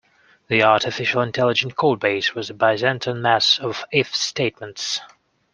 The artificial intelligence codebase was a byzantine mess of if statements.